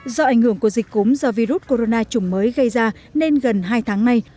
do ảnh hưởng của dịch cúm do virus corona chủng mới gây ra nên gần hai tháng nay